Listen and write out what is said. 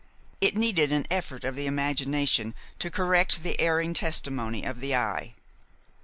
It needed an effort of the imagination to correct the erring testimony of the eye.